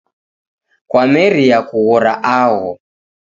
Kwameria kughora agho